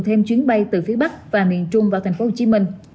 thêm chuyến bay từ phía bắc và miền trung vào tp hcm